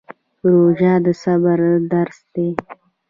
روژه د صبر درس دی